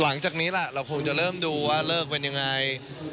หลังจากนี้ล่ะเราคงจะเริ่มดูว่าเลิกเป็นยังไง